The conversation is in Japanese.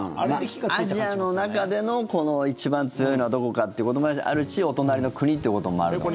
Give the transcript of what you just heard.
アジアの中で一番強いのはどこかってこともあるしお隣の国ってこともあるのかな。